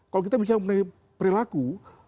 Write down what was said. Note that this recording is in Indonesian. kalau kita bisa memiliki perilaku